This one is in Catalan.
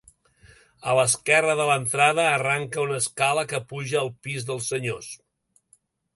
A l'esquerra de l'entrada arranca una escala que puja al pis dels senyors.